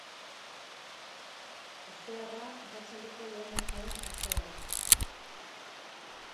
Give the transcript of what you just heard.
Ezbeharra arratsaldeko lehen orduan jazo da.